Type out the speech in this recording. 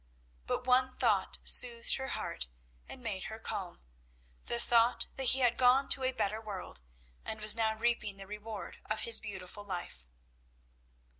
But one thought soothed her heart and made her calm, the thought that he had gone to a better world, and was now reaping the reward of his beautiful life.